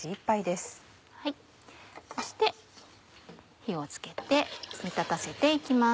そして火をつけて煮立たせて行きます。